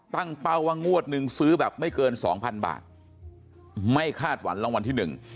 ตั้งเป้าวงวดนึงซื้อแบบไม่เกิน๒๐๐๐บาทไม่คาดหวันรางวัลที่๑